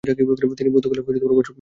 তিনি পর্তুগালে বসবাস করতেন।